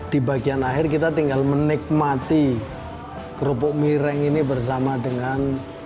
di bagian akhir kita tinggal menikmati kerupuk mireng ini bersama dengan